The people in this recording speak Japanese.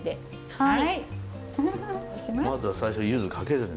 はい！